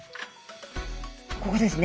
ここですね。